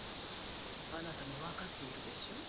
あなたも分かっているでしょ？